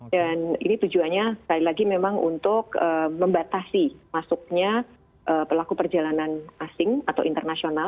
dan ini tujuannya sekali lagi memang untuk membatasi masuknya pelaku perjalanan asing atau internasional